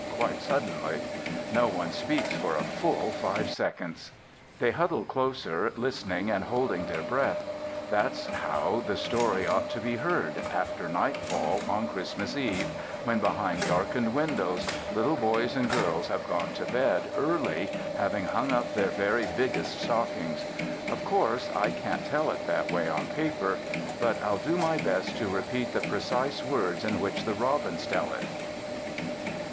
quite suddenly. No one speaks for a full five seconds. They huddle closer, listening and holding their breath. That's how the story ought to be heard, after night fall on Christmas Eve, when behind darkened windows little boys and girls have gone to bed early, having hung up their very biggest stockings. Of course I can't tell it that way on paper, but I'll do my best to repeat the precise words in which the robins tell it.